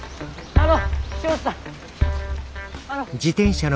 あの。